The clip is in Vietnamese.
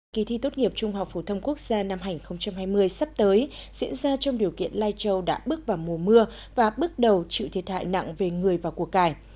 kỳ thi tốt nghiệp trung học phổ thông quốc gia năm hai nghìn hai mươi sắp tới diễn ra trong điều kiện lai châu đã bước vào mùa mưa và bước đầu chịu thiệt hại nặng về người và cuộc cải